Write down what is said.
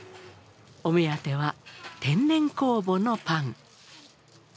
お目当ては天然酵母のパン。